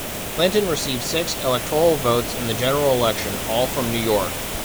Clinton received six electoral votes in the general election, all from New York.